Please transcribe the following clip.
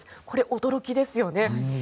これ、驚きですよね。